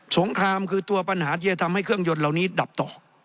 งครามคือตัวปัญหาที่จะทำให้เครื่องยนต์เหล่านี้ดับต่อ